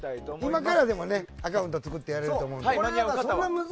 今からでもアカウント作ってやれると思います。